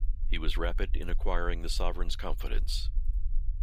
He was rapid in acquiring the sovereign's confidence.